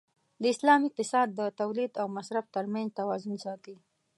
د اسلام اقتصاد د تولید او مصرف تر منځ توازن ساتي.